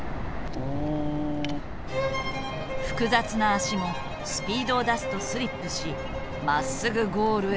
複雑な足もスピードを出すとスリップしまっすぐゴールへ向かわない。